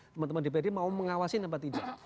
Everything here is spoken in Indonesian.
teman teman dprd mau mengawasi apa tidak